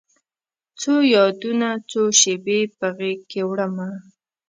څو یادونه، څو شیبې په غیږکې وړمه